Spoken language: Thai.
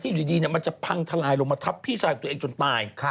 อยู่ดีมันจะพังทลายลงมาทับพี่ชายของตัวเองจนตาย